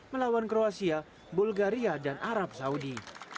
melawan kroasia bulgaria dan arab saudi